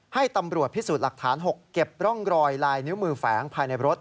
ให้ตำรวจพิสูจน์หลักฐาน๖เก็บร่องรอยลายนิ้วมือแฝงภายในรถ